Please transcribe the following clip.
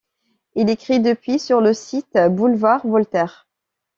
Il écrit depuis sur le site Boulevard Voltaire.